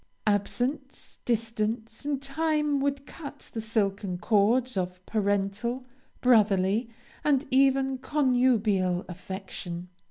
Absence, distance, and time would cut the silken cords of parental, brotherly, and even connubial affection.